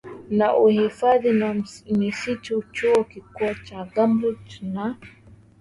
na uhifadhi wa misitu Chuo Kikuu cha Cambridge na